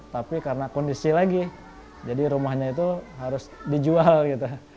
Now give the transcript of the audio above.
tapi karena kondisi lagi jadi rumahnya itu harus dijual gitu